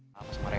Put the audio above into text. sampai jumpa lagi